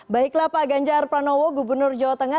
baiklah pak ganjar pranowo gubernur jawa tengah